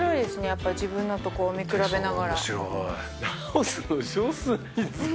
やっぱり自分のとこう見比べながら。